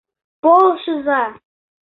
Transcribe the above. — Полшыза!